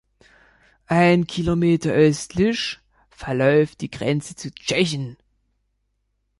Einen Kilometer östlich verläuft die Grenze zu Tschechien.